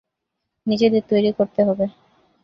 নিজেদের তৈরি করতে হবে।